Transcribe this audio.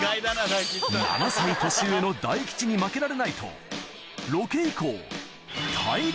７歳年上の大吉に負けられないとロケ以降出ないよ。